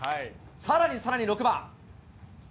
さらにさらに６番。